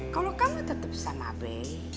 kalo kamu tetap sama bey